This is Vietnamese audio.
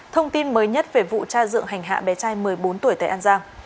thông tin mới nhất về vụ tra dựng hành hạ bé trai một mươi bốn tuổi tại an giang